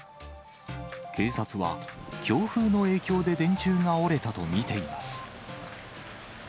警察は、強風の影響で電柱が折れたと見ています。